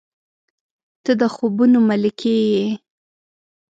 • ته د خوبونو ملکې یې.